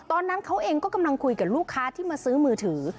ตอนนั้นเขาเองก็กำลังคุยกับลูกค้าที่มาซื้อมือถือ